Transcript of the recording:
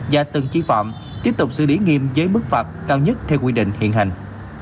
và từng chi phạm tiếp tục xử lý nghiêm giấy bức phạt cao nhất theo quy định hiện hành